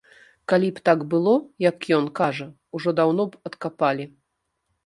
Калі б так было, як ён кажа, ужо даўно б адкапалі.